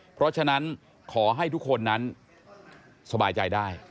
เพราะฉะนั้นขอให้ทุกคนนั้นสบายใจได้